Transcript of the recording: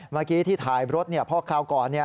เมื่อกี้ที่ท่ายรถเนี่ยพ่อคราวก่อนเนี่ย